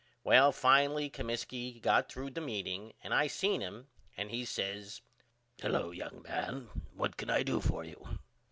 Well finally Comiskey got threw the meeting and I seen him and he says Hello young man what can I do for you?